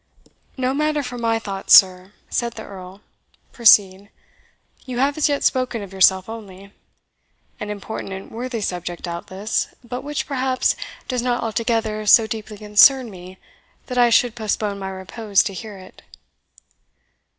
"No matter for my thoughts, sir," said the Earl; "proceed. You have as yet spoken of yourself only an important and worthy subject doubtless, but which, perhaps, does not altogether so deeply concern me that I should postpone my repose to hear it.